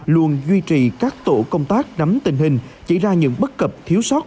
luôn duy trì các tổ công tác nắm tình hình chỉ ra những bất cập thiếu sót